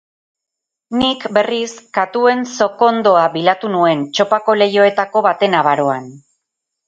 Nik, berriz, katuen zokondoa bilatu nuen, txopako leihoetako baten abaroan.